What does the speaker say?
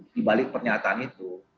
dibalik pernyataan itu